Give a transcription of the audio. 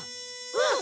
うん！